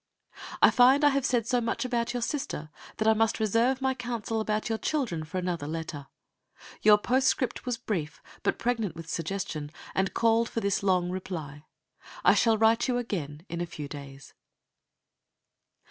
I find I have said so much about your sister that I must reserve my counsel about your children for another letter. Your postscript was brief, but pregnant with suggestion, and called for this long reply. I shall write you again in a few days.